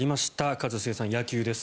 一茂さん、野球です。